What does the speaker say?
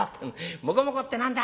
『もこもこって何だ？』